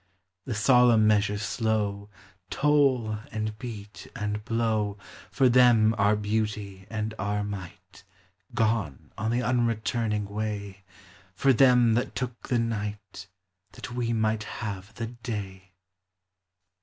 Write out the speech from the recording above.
The solemn measure slow Toll and beat and blow For them our beauty and our might Gone on the unretu ruing way, For them that took the night That we might have the day.